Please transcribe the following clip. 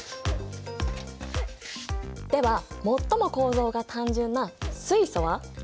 では最も構造が単純な水素は？